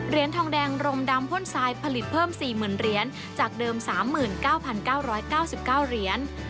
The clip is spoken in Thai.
ทองแดงรมดำพ่นทรายผลิตเพิ่ม๔๐๐๐เหรียญจากเดิม๓๙๙๙๙๙เหรียญ